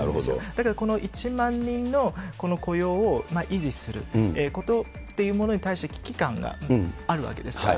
だから、この１万人の雇用を維持することっていうものに対して、危機感があるわけですから。